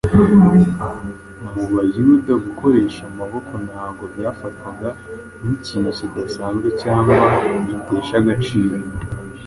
Mu Bayuda gukoresha amaboko ntabwo byafatwaga nk’ikintu kidasanzwe cyangwa gitesha agaciro